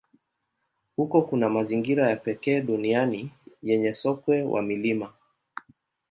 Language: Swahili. Huko kuna mazingira ya pekee duniani yenye sokwe wa milimani.